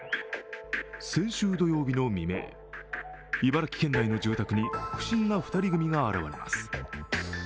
先週土曜日の未明、茨城県内の住宅に不審な２人組が現れます。